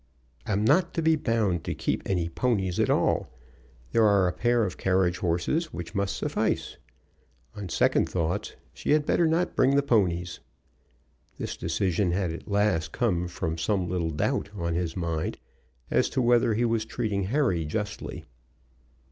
"I'm not to be bound to keep any ponies at all. There are a pair of carriage horses which must suffice. On second thoughts, she had better not bring the ponies." This decision had at last come from some little doubt on his mind as to whether he was treating Harry justly.